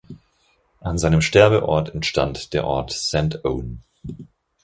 An seinem Sterbeort entstand der Ort Saint-Ouen.